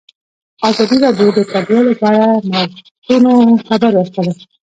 ازادي راډیو د کډوال په اړه د نوښتونو خبر ورکړی.